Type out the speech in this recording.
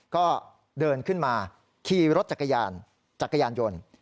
ก็เดินขึ้นมาขี่รถจักรยานยนต์